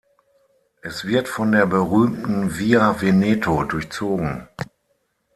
Es wird von der berühmten Via Veneto durchzogen.